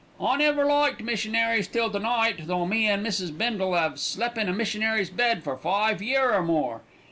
"I never liked missionaries till to night, though me an' Mrs. Bindle 'ave slep' in a missionary's bed for five year or more.